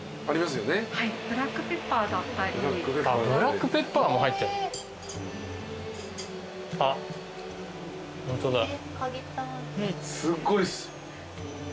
すごいっす。